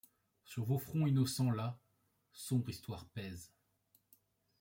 Sur vos fronts innocents la. sombre histoire pèse.